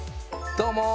どうも！